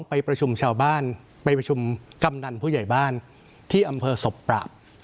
ไปประชุมชาวบ้านไปประชุมกำนันผู้ใหญ่บ้านที่อำเภอศพปราบ